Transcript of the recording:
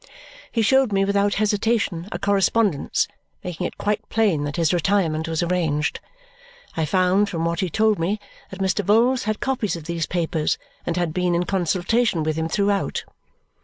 He showed me without hesitation a correspondence making it quite plain that his retirement was arranged. I found, from what he told me, that Mr. Vholes had copies of these papers and had been in consultation with him throughout.